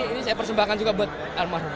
ya semoga ini saya persembahkan juga buat almarhum